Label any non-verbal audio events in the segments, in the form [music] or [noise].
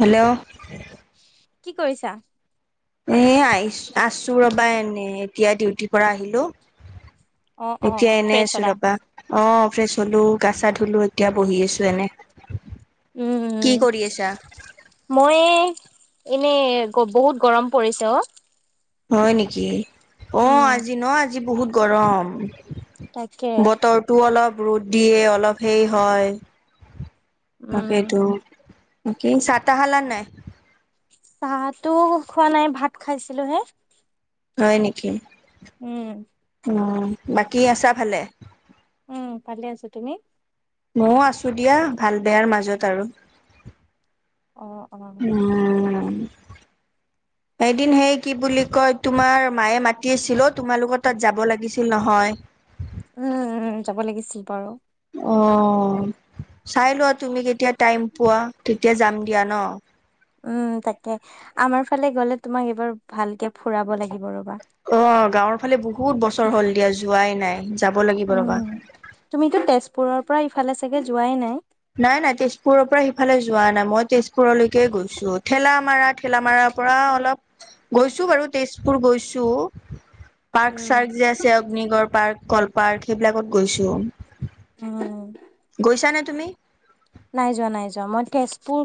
হেলেও কি কৰিছা এ আহিছ আছো ৰবা এনে এতিয়া ডিউটিৰ পৰা আহিলো অ', এতিয়া অ', এনেই ফ্ৰেছ আছো হ'লা? ৰবা অ ফ্ৰে চ হলো গাচা ধুলো এতিয়া বহি আছো এনে কি উম, কৰি আছা এনেই গ বহুত গৰম পৰিছে অ হয় নেকি অ উম। আজি ন আজি বহুত গৰম তাকে, বতৰটো অলপ ৰ'দ দিয়ে অলপ সেই হয় উম, তাকেইটো ব কি চাহ তাহ খালা নাই। চাহ তো খোৱা নাই ভাত খাইছিলো হে হয় নেকি? উম উ বাকী আছা ভালে উম ভালে আছো তুমি মও আছো দিয়া ভাল বেয়াৰ মাজত আৰু অ অ উম এদিন সেই কি বুলি কয় তোমাৰ মায়ে মাত তিচিল অ তোমালোকৰ তাত যাব লাগিছিল নহয়। উম উ যাব লাগিছিল বাৰু অ চাই লোৱা তুমি কেতিয়া টাইম পোৱা তেতিয়া যাম দিয়া ন উম তাকে আমাৰ ফালে গ'লে তোমাক এইবাৰ ভালকে ফুৰাব লাগে [unintelligible] অ গাঁৱৰ ফালে বহুত বছৰ হ'ল দিয়া যোৱাই নাই যাব লাগিব উম ৰবা তুমিতো তেজপুৰৰ পৰা ইফালে চাগে যোৱাই নাই নাই নাই তেজপুৰৰ পৰা সিফালে যোৱা নাই মই তেজ পুৰলৈকে গৈছো ঠেলামাৰা ঠেলামাৰাৰ পৰা অলপ গৈছো বাৰু তেজপুৰ গৈছো টো পাৰ্ক উম। চাৰ্ক যে আছে অগ্নিগড় পাৰ্ক কল পাৰ্ক সেইবিলাকত গৈছো উম গৈছা নে তুমি নাই যোৱা নাই যোৱা মই তেজপুৰ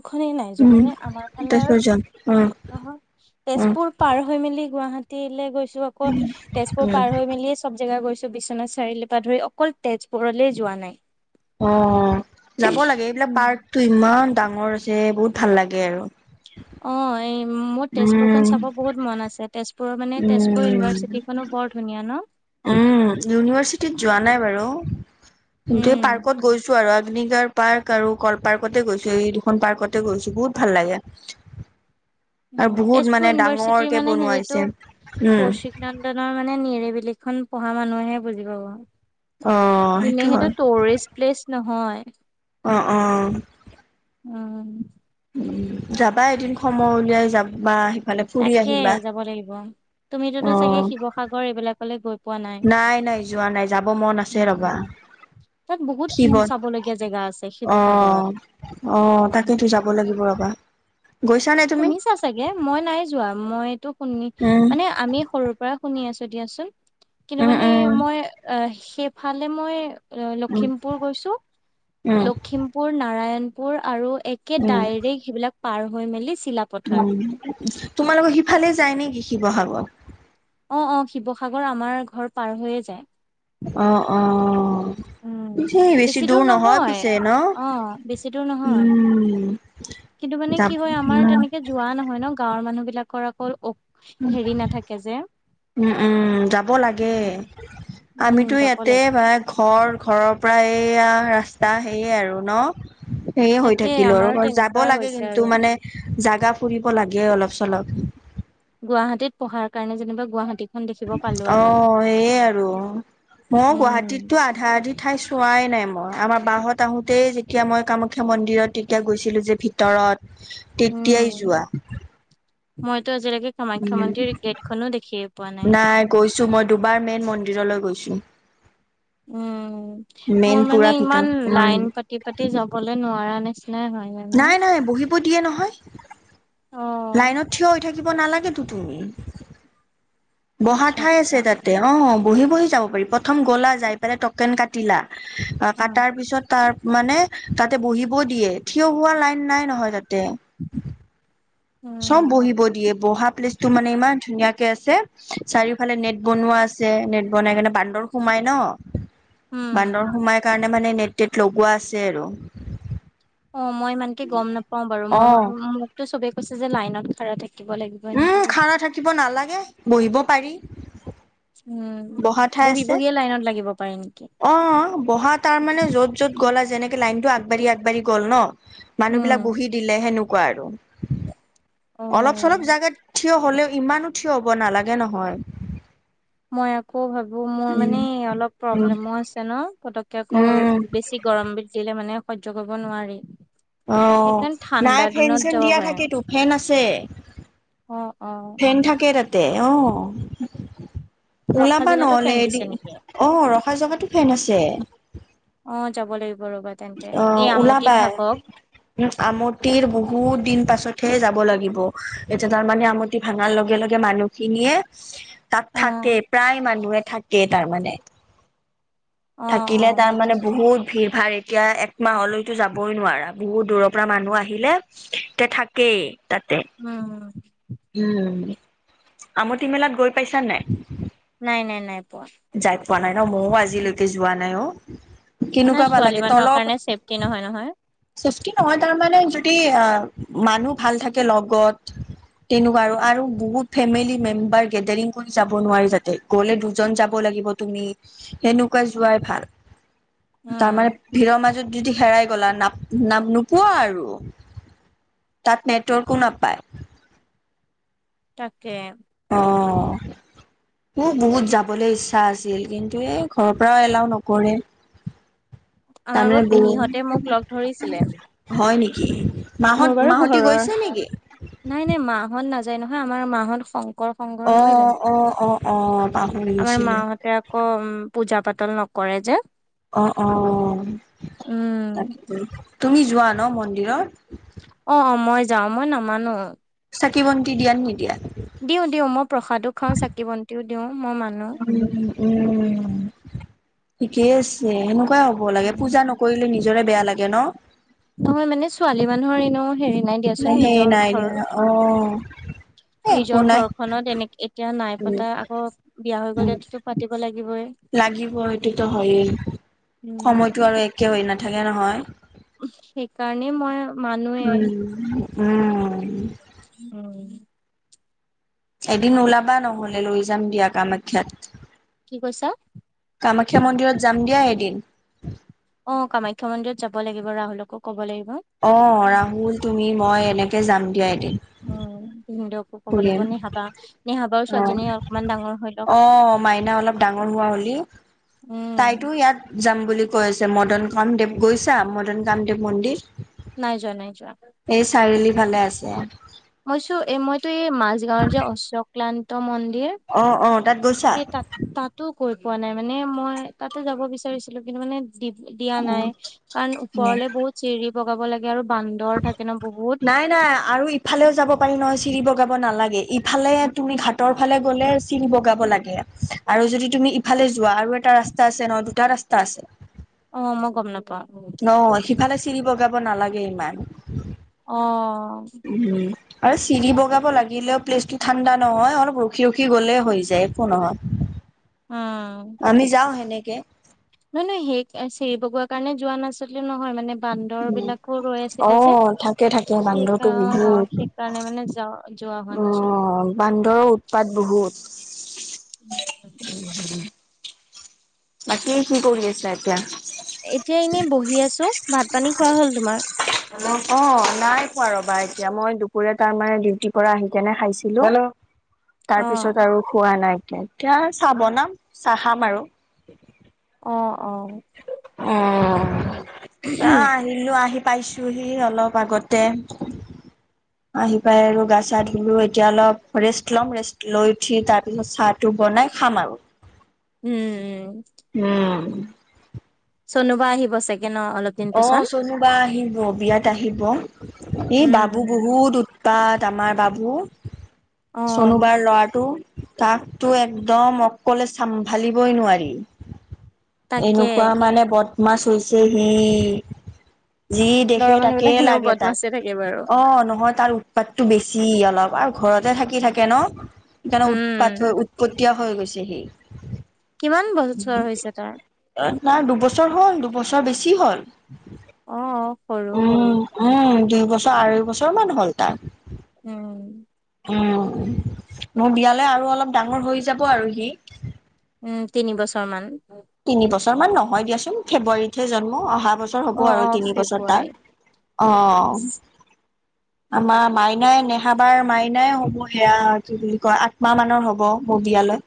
উম তেছপুৰ যাম অ তেজপুৰ পাৰ হৈ মেলি গুৱাহাটী [unintelligible] তিলে গৈছো আকৌ তেজপুৰ উম, পাৰ হৈ মেলিয়ে চব জেগা গৈছো বিশ বিশ্বনাথ চাৰিআলি পৰা ধৰি অকল তেজপুৰলেই যোৱা নাই অ যাব লাগে এইবিলাক পাৰ্ক টো ইমান ডাঙৰ আছে বহুত ভাল লাগে গে আৰু অ এই মোৰ উম, তেজপুৰখন চাব বহুত মন আছে তেজপুৰৰ মানে তেজপুৰ উম, ইউনিভাৰ্চিটিখনো বৰ ধুনীয়া ন উম ইউনিভাৰ্চিটিত যোৱা নাই বাৰু কিন্তু এই উম পাৰ্কত গৈছো আৰু আ অগ্নিগড় পাৰ্ক আৰু কল পাৰ্কতে গৈছো এই দুখন পাৰ্কতে গৈছো বহুত ভাল লাগে। উ আৰু বহুত তেজপুৰ মানে ইউনিভাৰ্চিটিৰ ডাঙৰকে মানে বনোৱা হৈছে। হেৰিতটো, উম, কৌশিক নন্দনৰ মানে নিৰিবিল খন পঢ়া মানুহেহে বুজি পাব, অ, যোনে সেইটো টুৰিষ্ট প্লেচ নহয়। আহ অ। উম। উ যাবা এদিন সময় উলিয়াই যাবা সিফালে ফুৰি তাকে আহিবা। যাব লাগিব অ, তুমিতোতো চাগে শিৱসাগৰ এইবিলাকলৈ গৈ পোৱা নাই নাই যোৱা নাই যাব মন আছে ৰবা। উম, তাত বহুত উম, শিৱত, চাবলগীয়া জেগা আছে আহ শিৱসাগৰত। আহ, তাকেইতো যাব উম। লাগিব ৰবা। [inaudible] তুমি শুনিছা চাগে মই নাই যোৱা, মইটো শুনি উম মানে আমি সৰু পৰা শুনি আছো। দিয়াচোন, কিন্তু উম মানে উম মই আহ সেইফালে মই। অ লখিমপুৰ গৈছো, উম লখিমপুৰ নাৰায়ণপুৰ আৰু। একে উম উম ডাইৰেক্ সেইবিলাক পাৰ হৈ মেলি। চিলাপথাৰ। তোমালোকৰ সিফালে যায় নেকি শিৱসাগৰ। অ অ শিৱসাগৰ আমাৰ ঘৰ পাৰ হৈয়ে যায়। অ অ অ। উম, পিছে [unintelligible] বেছি দূৰ নহয় পিছে ন অ', বেছি দূৰ নহয়। উম। কিন্তু মানে যাব কি হয় আমাৰ উম তেনেকে যোৱা নহয় ন গাঁৱৰ মানুহ বিলাক। কৰাকল হেৰি নাথাকে যে। উম উম যাব লাগে, উম আমিতো যাব ইয়াতে লাগে ঘৰ। [unintelligible] ঘৰৰ পৰা এইয়া ৰাস্তা সেয়ে আৰু ন। সেয়ে হৈ তাকে থাকিলো আৰু আমাৰো ম যাব তেনেকুৱাই লাগে হৈছে আৰু কিন্তু মানে জাগা ফুৰিব লাগে অলপ। চলপ। গুৱাহাটীত পঢ়াৰ কাৰণে যেনিবা গুৱাহাটীত। অ সেইয়ে আৰু, মই উম গুৱাহাটীতটো আধা আধি ঠাই চোৱাই। নাই মই আমাৰ বাহত আহোতেই যেতিয়া মই কামাখ্যা মন্দিৰত তেতিয়া গৈছিলো যে ভিতৰত। তেতিয়াই উম যোৱা। মইতো আজিলৈকে কামাখ্যা উম মন্দিৰ গেটখনো দেখিয়ে পোৱা নাই। গৈছো মই দুবাৰ মেইন মন্দিৰলৈ গৈছোঁ। উম, মোৰ মানে ভিতৰত ইমান উম লাইন পাতি পাতি যাবলে নোৱাৰা নে। নাই-নাই বহিব দিয়ে নহয়, অ লাইনত থিয় হৈ থাকি থাকিব নালাগেতো তুমি, বহা আচ্ছা ঠাই আচ্ছা আছে তাতে অ'। বহি-বহি যাব পাৰি প্ৰথম গলা যাই পেলাই টকেন কাটিলা, অ কটাৰ পিছত তাৰ মানে তাতে বহিব দিয়ে থিয় হোৱা লাইন নাই নহয় তাতে। [inaudible] চব বহিব দিয়ে বহা প্লেচটো মানে ইমান ধুনীয়াাক আছে চাৰিওফালে নেট বনোৱা আছে নেট বনাই কেনে বান্দৰ সোমাই ন? উম বান্দৰ সোমাই কাৰণে মানে নেট-টেট লগোৱা আছে আৰু। অ', মই ইানকে গম নাপাও বাৰু মই অ', মোকতো চবে কৈছে যে লাইনত খাৰা থাকে উম', খাৰা থাকিব নালাগে, বহিব পাৰি। উম', বহা ঠাই আছে বহী-বহীয়ে লাইনত লাগিব পাৰে নেকি? অ', বহা তাৰ মানে য'ত-য'ত গ'লা যেনেক লনত আগবাঢ়ি-আগবাঢ়ি গল ন? মানুহ উম। বিলাক বহি দিলে হেনো কোৱা আৰু, অলপ চলপ জাগাত থিয় হলেও ইমানো থিয় হ'ব নালাগে নহয়। মই আকৌ ভাবো মোৰ উম মানে অলপ উম প্ৰব্লেমো আছে ন, পতক আকৌ উম বেছি গৰম বিল দিলে মানে হৈৰ্য কৰিব নোৱাৰি। অ', সেইকাৰণে নাই ঠাণ্ডা ফেন দিনত চেন যাব দিয়া পাৰে। থাকেতো, ফেন আছে। অ', অ'। ফেন থাকে তাতে অ'। ৰখা ওলাবা জেগাতো নহ'লে ফেন দিছে এদিন, নেকি? অ', ৰখা জেগাতো ফেন আছে। অ', যাব লাগিব ৰ'বা তেন্তে এই অ', আমতি ওলাবা। ভাগক উ', আমটিৰ বহুত দিন পাছত হে যাব লাগিব, এতিয়া তাৰমানে আমঠি ভাঙাৰ লগে-লগে মানুহখিনিয়ে তাত থাকে অ', প্ৰায় মানুহে থাকে তাৰমানানে। অ', থাকিলে অ', তাৰমানানে বুজিছো। বহুত ভিৰ ভাই এতিয়া একমাহলৈতো যাবই নোৱাৰা বহুত দূৰৰ পৰা মানুহ আহিলে, এতিয়া থাকেই। তাতে। উম, উম', আমঠি মেলাত গৈ পাইছা নাই? নাই-নাই-নাই পোৱা। যাই পোৱা নাই ন ময়ো আজিলৈকে যোৱা নাই অ। নাই কেনেকুৱাাবা ছোৱালী লাগে মানুহৰ কাৰণে চেফটি নহয় নহয়। তলৰ--সৃষ্টি নহয় তাৰমা নানে অ, মানুহ ভাল থাকে লগত। তেনেকুৱা আৰু-আৰু বহুত ফেমিলি মেম্বাৰ গেডাৰিং কৰি যাব নোৱাৰি যাতে, গ'লে দুজন যাব ল তুমি সেনেকুৱা যোৱাই ভাল। উম, তাৰ মানৈ ভিৰৰ মাজত যদি হেৰাই গ'লা, নাপ-নাপ নোপোৱা আৰু। তাত নেটৱৰ্কো নাপায়। তাকে অ', মোৰ বহুত যাবলৈ ইচ্ছা আছিল কিন্তু এই ঘৰৰ পৰাও এলাও নকৰে। আমাৰ তাৰমানে বুৰ বহুত পেহীহঁতে মোক লগ ধৰিছিলে। হয় নেকি মোৰ মাহত বাৰু মাহতি ঘৰৰ গৈছে নেকি নাই-নাই মাহত নাযায় নহয় আমাৰ মাহত সংক শঙ্কৰ সংঘৰ নহয় অ' জানো? অ' অ' অ' পাহৰি আমাৰ গৈছিলো মাহতে আকৌ উম' পূজা পাতল নকৰে যে। অ'-অ', উম। তকেটো, তুমি যোৱা ন মন্দিৰত? অ'-অ', মই যাও, মই নামানো। চাকি-বন্তি দিয়া নিদিয়া? দিওঁ দিওঁ মই প্ৰসাদো খাওঁ চাকি বন্তিও দিওঁ মই মানো। উম'-উম'-উম', ঠিকে আছে। হেনেকুৱাই হ'ব লাগে উম পূজা নকৰিলে নিজৰে বেয়া লাগে ন? নহয় মানে ছোৱালী মানুহৰ এনে হেৰি নাই দিয়াচোন সেই নিজৰ নাই ঘৰ দিয়া অ এ উম'। একো নিজৰ নাই ঘৰখনত এনে এতিয়া নাই উম পতা আকৌ বিয়া হৈ উম গলেতো পাতিব লাগিবই। লাগিব সেইটোতো হৈয়ে, উম। সময়তটো আৰু একে হৈ নাথাকে নহয়। সেইকাৰণে মই মানুৱে উম উম উম এদিন ওলাবা নহলে লৈ যাম দিয়া কামাখ্যাত কি কৈছা কামাখ্যা মন্দিৰত যাম দিয়া এদিন অ কামাখ্যা মন্দিৰত যাব লাগিব ৰাহুলকো ক'ব লাগিব অ ৰাহুল তুমি মই এনেকে যাম দিয়া এ উম অ অকমান ডাঙৰ হৈ লওক অ মাইনা অলপ ডাঙৰ হোৱা হ'ল উম তাইতো ইয়াত যাম বুলি কৈ আছে মদনখন গৈছা মদন কামদেৱ মন্দিৰ নাই যোৱা নাই যোৱা ভালে আছে মইছো এই মইতো এই মাজগাওৰ যে অশ্বক্লান্ত মন্দিৰ অ অ তাত গৈছা এই তা তাতো [unintelligible] কৈ পোৱা নাই মানে মই তাতে যাব বিচাৰিছিলো কিন্তু মানে দি দিয়া নাই কাৰণ উম ওপৰলে বহুত চিৰি বগাব লাগে আৰু বান্দৰ থাকে ন বহুত নাই নাই আৰু ইফালেও যাব পাৰি নহয় চিৰি বগাব নালাগে ইফালে তুমি ঘাটৰ ফালে গলে চিৰি বগাব লাগে আৰু যদি তুমি ইফালে যোৱা আৰু এটা ৰাস্তা [unintelligible] ৰাস্তা আছে ন দুটা ৰাস্তা আছে অহঁ মই গম নাপাওঁ। অহঁ সিফালে চিৰি বগাব নালাগে ইমান। অহঁ। উম। আৰু চিৰি বগাব লাগিলেও প্লেচটো ঠাণ্ডা নহয় অলপ ৰখি ৰখি গলে হৈ যায় একো নহয়। অহঁ। কে নহয় নহয় সেই চিৰি বগোৱা কাৰণে যোৱা নাচিলো নহয় মানে [unintelligible] বান্দৰ উম বিলাকো ৰৈ অ আছিলে যে থাকে থাকে বান্দৰটো বহুত সেইকাৰ সেইকাৰণে মানে যা যোৱা হোৱা অ নাছিলে। বান্দৰৰ উৎপাত বহুত বাকী কি কৰি আছা এতিয়া। এতিয়া এনেই বহি আছোঁ ভাত পানী খোৱা হল তোমাৰ অহঁ অহঁ নাই খোৱা ৰবা এতিয়া মই দুপৰীয়া তাৰ মানে ডিউটিৰ পৰা আহি কেনে খাইছিলোঁ। অ তাঁৰপিছত আৰু খোৱা নাইকিয়া এতিয়া চাঁহ বনাম চাহঁ খাম আৰু- অহঁ অহঁ। অহঁ আহিলো আহি পাইছোহি অলপ আগতে আহি পাই আৰু গা চা ধুলো এতিয়া অলপ ৰেষ্ট লম ৰেষ্ট লৈ উঠি তাৰ পিছত চাঁহ টো বনাই খাম আৰু উম উম। উম। চনোবা আহিব চাগে ন অলপ দিন অ পিছত। চনু বা আহিব বিয়াত আহিব এই উম। বাবু বহুত উৎপাত আমাৰ বাবু অ চনোবাৰ ল'ৰাটো তাকতো একদম অকলে চম্ভালিবই নোৱাৰি। তাকে এনেকুৱা মানে বদমাছ হৈছে সি। যি ল'ৰা দেখে মানুহ বিলাক তাকেই এনেও লাগে তাক বদমাছে থাকে বাৰু। অ নহয় তাৰ উৎপাতটো বেছি অলপ ঘৰতে থাকি থাকে ন সেইকাৰণে উৎপাত হৈ উম উৎপতীয়া হৈ গৈছে সি কিমান বছৰ হৈছে তাৰ? নাই দুবছৰ হ'ল দুবছৰ বেছি হ'ল। অহঁ সৰু উম, বহুত। উম, দুই বছৰ, আঢ়ৈ বছৰ মান হ'ল তাৰ। উম! উম! মোৰ বিয়ালৈ আৰু অলপ ডাঙৰ হৈ যাব আৰু সি। উম! তিনি বছৰমান। তিনি বছৰ মান নহয় দিয়াচোন, ফেব্ৰুৱাৰীতহে জন্ম। অহা বছৰ হ'ব অ আৰু অ তিনি বছৰ তাৰ। ফেব্ৰুৱাৰীত অ'! আমাৰ মাইনাই, নেহা বাৰ মাইনাই হ'ব সেয়া কি বুলি কয়, আঠ মাহ মানৰ হ'ব মোৰ বিয়ালৈ।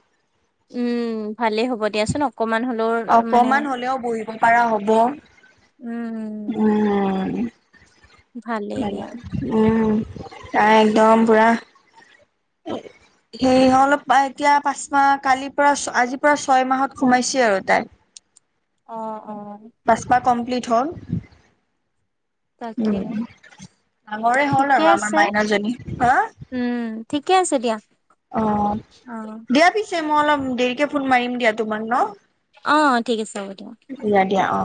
উম! ভালেই হ'ব দিয়াচোন। অকমান হ'লেও মানে অকমান হ'লেও বহিব পৰা হ'ব। উম! উম! উম! তাই একদম পুৰা সেই অলপ এতিয়া, পাঁচ মাহ, কালিৰ পৰা, আজিৰ পৰা ছয় মাহত সোমাইছে আৰু তাই। [inaudible] অ'! অ'! পাঁচ [unintelligible] হ'ল। উম তাকে, ডাঙৰে হ'ল ঠিকে আৰু আমাৰ আছে মাইনাজনী। হা! উম ঠিকে আছে দিয়া। অ'! অ দিয়া পিছে মই অলপ দেৰিকে ফোন মাৰিম দিয়া তোমাক ন'। অ'! ঠিক আছে, হ'ব দিয়া। দিয়া অ